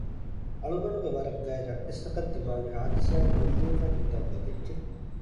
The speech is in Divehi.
އަޅުގަނޑުގެ ވަރަށް ގާތް ރައްޓެއްސަކަށް ދިމާވި ހާދިސާއެއް ކުއްލިއަކަށް ހިތަށް ވަދެއްޖެ